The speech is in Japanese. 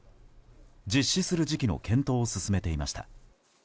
実施する時期の検討を進めていました。